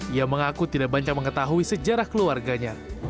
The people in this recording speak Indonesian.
ia mengaku tidak banyak mengetahui sejarah keluarganya